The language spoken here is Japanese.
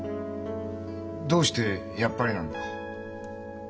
どうして「やっぱり」なんだ？